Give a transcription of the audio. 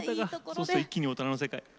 そうすると一気に大人の世界。